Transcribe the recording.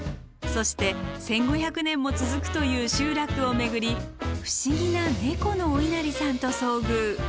そして１，５００年も続くという集落を巡り不思議な猫のお稲荷さんと遭遇。